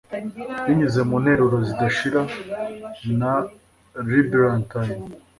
Binyuze mu nteruro zidashira na labyrintine